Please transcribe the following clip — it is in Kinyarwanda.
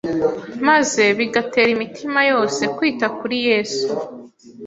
maze bigatera imitima yose kwita kuri Yesu